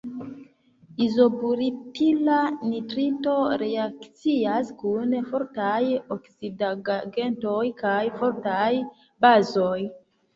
Izobutila nitrito reakcias kun fortaj oksidigagentoj kaj fortaj bazoj.